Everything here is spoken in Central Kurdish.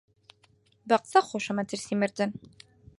بە قسە خۆشە مەترسیی مردن